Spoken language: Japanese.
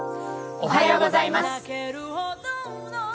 おはようございます。